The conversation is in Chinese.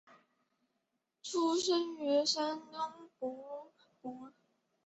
出生于山东淄博。